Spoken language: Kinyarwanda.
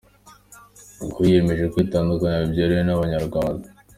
Ni uko yiyemeje kwitandukanya byeruye na banyarwanda.